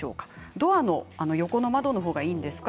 ドアの横の窓のほうがいいんですか。